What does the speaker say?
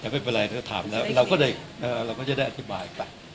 แต่ไม่เป็นไรถ้าถามแล้วเราก็จะได้อธิบายไป